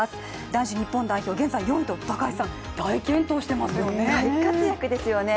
男子日本代表、現在４位と大健闘していますよね。